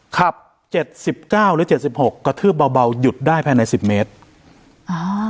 ครับเจ็ดสิบเก้าหรือเจ็ดสิบหกกระทืบเบาเบาหยุดได้ภายในสิบเมตรอ่า